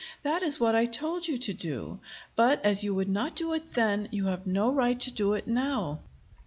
That is what I told you to do; but as you would not do it then, you have no right to do it now."